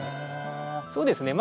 そうですね。